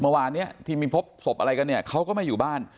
เมื่อวานเนี้ยที่มีพบศพอะไรกันเนี่ยเขาก็ไม่อยู่บ้าน